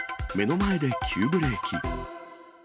目の前で急ブレーキ。